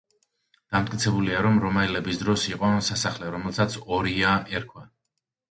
დამტკიცებულია, რომ რომაელების დროს იყო სასახლე, რომელსაც „ორია“ ერქვა.